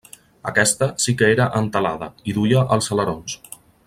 Aquesta sí que era entelada, i duia els alerons.